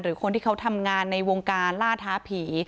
คนที่เขาทำงานในวงการล่าท้าผี